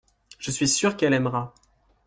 Je suis sûr qu’elle aimera.